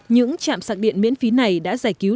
những chạm sạc điện miễn phí này đã giải cứu